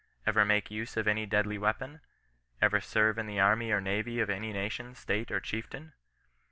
Ever make use of any deadly weapon ? Ever serve in the army or navy of any nation, state, or chieftain?